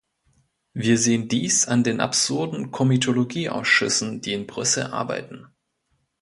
Wir sehen dies an den absurden Komitologieausschüssen, die in Brüssel arbeiten.